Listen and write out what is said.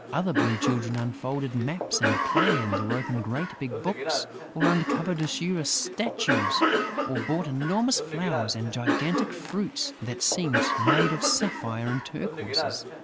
Other Blue Children unfolded maps and plans, or opened great big books, or uncovered azure statues, or brought enormous flowers and gigantic fruits that seemed made of sapphires and turquoises.